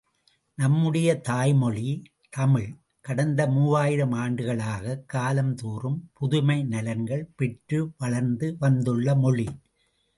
நம்முடைய தாய்மொழி, தமிழ், கடந்த மூவாயிரம் ஆண்டுகளாகக் காலம் தோறும் புதுமை நலன்கள் பெற்று வளர்ந்து வந்துள்ள மொழி!